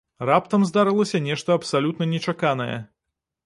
Раптам здарылася нешта абсалютна нечаканае.